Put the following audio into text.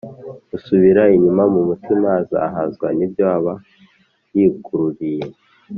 Usubira inyuma mu mutima azahazwa nibyo aba yikururiye